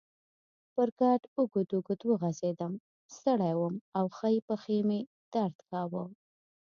پر کټ اوږد اوږد وغځېدم، ستړی وم او ښۍ پښې مې درد کاوه.